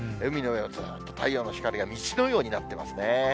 海の上をずっと太陽の光が道のようになってますね。